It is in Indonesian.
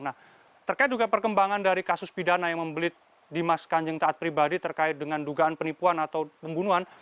nah terkait juga perkembangan dari kasus pidana yang membelit dimas kanjeng taat pribadi terkait dengan dugaan penipuan atau pembunuhan